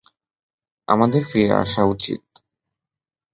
আমাদের ফিরে আসা উচিত।